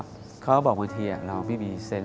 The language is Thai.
บ๊วยบ๊วยเขาก็บอกบางทีเราไม่มีเซนท์